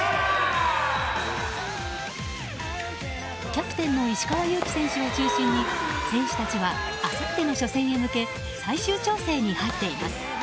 キャプテンの石川祐希選手を中心に選手たちはあさっての初戦に向け最終調整に入っています。